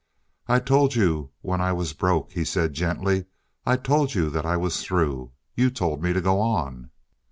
"I told you when I was broke," he said gently. "I told you that I was through. You told me to go on."